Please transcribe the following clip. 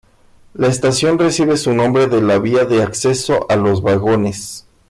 La estación recibe su nombre de la vía de acceso a los vagones.